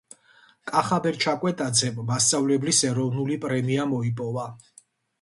კახაბერ ჩაკვეტაძემ მასწავლებლის ეროვნული პრემია მოიპოვა